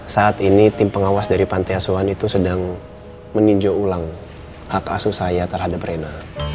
saat ini tim pengawas dari pantai asuhan itu sedang meninjau ulang hak asuh saya terhadap rena